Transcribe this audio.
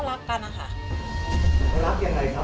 ไม่ได้มีเจตนาที่จะเล่ารวมหรือเอาทรัพย์ของคุณ